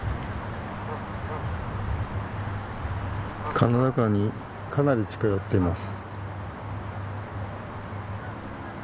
カナダガンにかなり近寄っています。